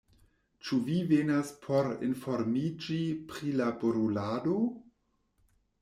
Ĉu vi venas por informiĝi pri la brulado?